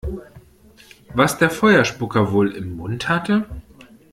Was der Feuerspucker wohl im Mund hatte?